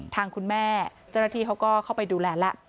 ทางคุณแม่เจ้าหน้าที่เขาก็เข้าไปดูแลแล้ว